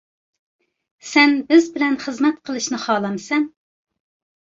-سەن بىز بىلەن خىزمەت قىلىشنى خالامسەن؟